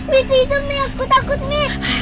mimpi itu mi aku takut mi